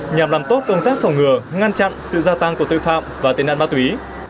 nhằm làm tốt công tác phòng ngừa ngăn chặn sự gia tăng của tội phạm và tên nạn ma túy